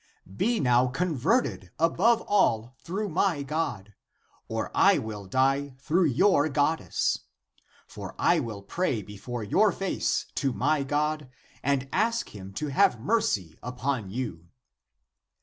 Be now con verted above all through my God — or I will die through your goddess. For I will pray before your face to my God, and ask him to have mercy upon you."